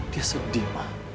dia sedih ma